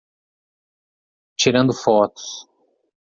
Tirando fotos